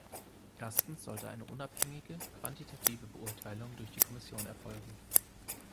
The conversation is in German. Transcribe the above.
Erstens sollte eine unabhängige quantitative Beurteilung durch die Kommission erfolgen.